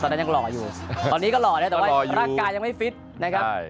นั้นยังหล่ออยู่ตอนนี้ก็หล่อนะแต่ว่าร่างกายยังไม่ฟิตนะครับ